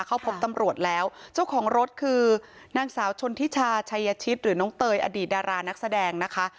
เข้าพบตำรวจแล้วเจ้าของรถคือนางสาวชนทิชาชัยชิตหรือน้องเตยอดีตดารานักแสดงนะคะ